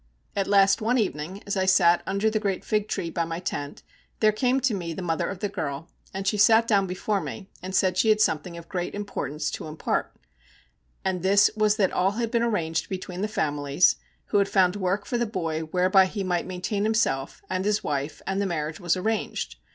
At last one evening, as I sat under the great fig tree by my tent, there came to me the mother of the girl, and she sat down before me, and said she had something of great importance to impart: and this was that all had been arranged between the families, who had found work for the boy whereby he might maintain himself and his wife, and the marriage was arranged.